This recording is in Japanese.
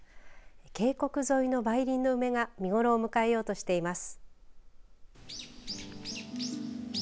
渓谷沿いの梅林の梅が見頃を迎えようとしています。